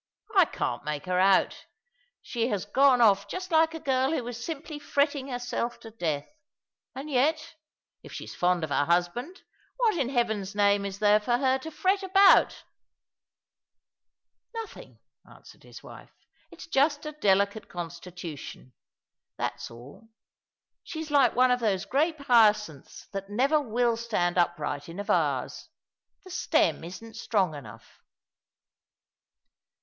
I can't make her out. She has gone off just like a girl who was simply fretting herself to death; and yet, if she's fond of her husband, what in Heaven's name is there for her to fret about ?"" Nothing," answered his wife. " It's just a delicate con stitution, that's all. She's like one of those grape hyacinths 2o6 All along the River, that never will stand upriglit in a vase. The stem isn't strong enough."